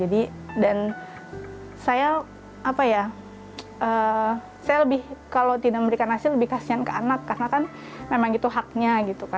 dan saya kalau tidak memberikan asis lebih kasihan ke anak karena memang itu haknya